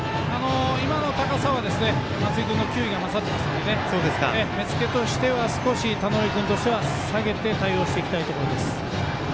今の高さは、松井君の球威が勝ってますので目つけとしては少し田上君としては下げて対応していきたいところです。